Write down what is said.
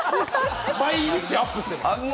毎日アップしてる。